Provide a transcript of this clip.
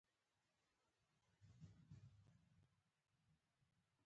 زه د خپل هېواد افغانستان سره مينه لرم